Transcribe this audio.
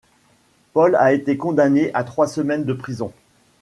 Paul a été condamné à trois semaines de prison.